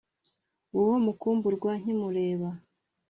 Uwo mukumburwa nkimureba